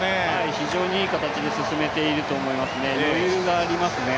非常にいい形で進めていると思いますね、余裕がありますね。